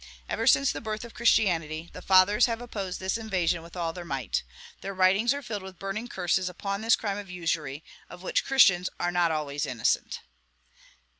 Ever since the birth of Christianity, the Fathers have opposed this invasion with all their might. Their writings are filled with burning curses upon this crime of usury, of which Christians are not always innocent.